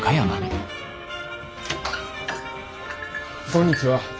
こんにちは。